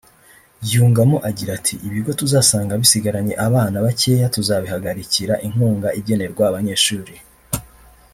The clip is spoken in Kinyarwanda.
yungamo agira ati “Ibigo tuzasanga bisigaranye abana bakeya tuzabihagarikira inkunga igenerwa abanyeshuri